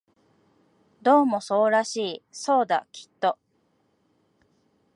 どうもそうらしい、そうだ、きっと